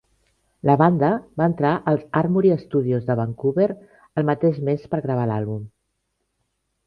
La banda va entra als Armoury Studios de Vancouver el mateix mes per gravar l'àlbum.